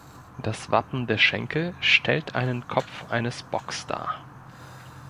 Das Wappen der Schenkel stellt einen Kopf eines Bocks dar.